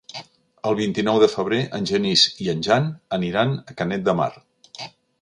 El vint-i-nou de febrer en Genís i en Jan aniran a Canet de Mar.